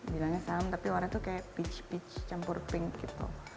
bilangnya sam tapi warna itu kayak peach peach campur pink gitu